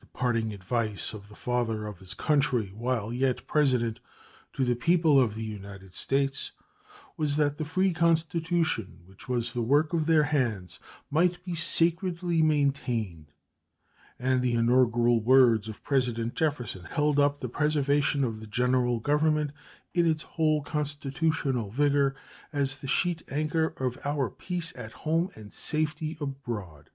The parting advice of the Father of his Country, while yet President, to the people of the United States was that the free Constitution, which was the work of their hands, might be sacredly maintained; and the inaugural words of President Jefferson held up "the preservation of the General Government in its whole constitutional vigor as the sheet anchor of our peace at home and safety abroad."